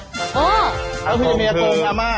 แล้วพี่เมียรูปอามา